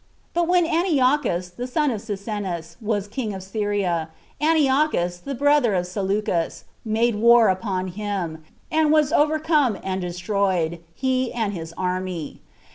But when Antiochus, the son of Cyzicenus, was king of Syria, Antiochus, 37 the brother of Seleucus, made war upon him, and was overcome, and destroyed, he and his army.